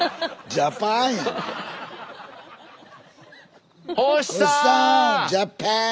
ジャパン！